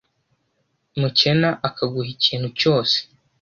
mukena akaguha ikintu cyose